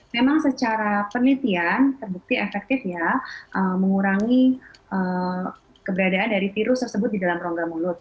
memang secara penelitian terbukti efektif ya mengurangi keberadaan dari virus tersebut di dalam rongga mulut